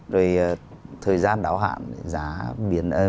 rồi thời gian đáo hạn